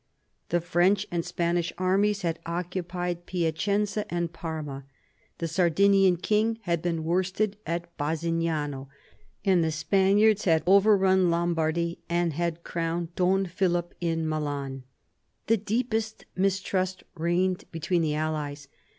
The French and Spanish armies had occupied Piacenza and Parma ; the Sardinian king had been worsted at Bassignano; and the Spaniards had overrun Lombardy and had crowned Don Philip in Milan. The deepest mistrust reigned between the allies.